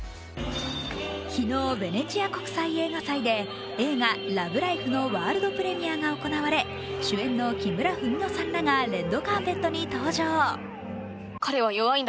昨日、ヴェネチア国際映画祭で映画「ＬＯＶＥＬＩＦＥ」のワールドプレミアが行われ主演の木村文乃さんらがレッドカーペットに登場。